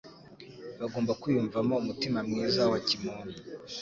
Bagomba kwiyumvamo umutima mwiza wakimuntu.